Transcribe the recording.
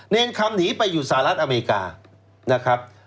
เนรคำหนีไปอยู่สหรัฐอเมริกานะครับ